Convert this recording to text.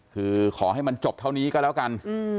คือขอให้มันจบเท่านี้ก็แล้วกัน